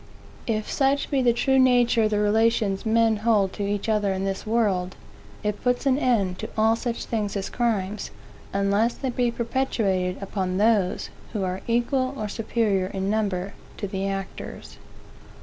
If such be the true nature of the relations men hold to each other in this world, it puts an end to all such things as crimes, unless they be perpetrated upon those who are equal or superior, in number, to the actors.